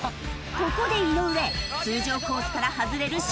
ここで井上通常コースから外れるショートカット。